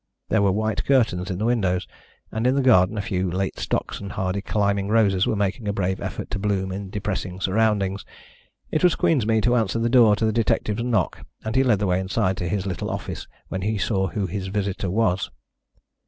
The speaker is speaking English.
There were white curtains in the windows, and in the garden a few late stocks and hardy climbing roses were making a brave effort to bloom in depressing surroundings. It was Queensmead who answered the door to the detective's knock, and he led the way inside to his little office when he saw who his visitor was.